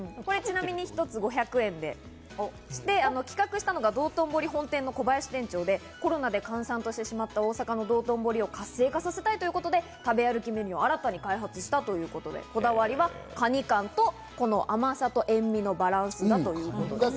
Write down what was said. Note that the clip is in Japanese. ちなみに一つ５００円で、企画したのが道頓堀本店の小林店長で、コロナで閑散としてしまった大阪の道頓堀を活性化させたいということで、食べ歩きメニューを新たに開発したということで、こだわりは、カニ感と甘さと塩味のバランスということです。